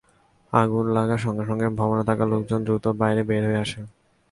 আগুন লাগার সঙ্গে সঙ্গে ভবনে থাকা লোকজন দ্রুত বাইরে বের হয়ে আসেন।